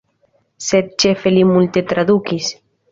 Sed ĉefe li multe tradukis.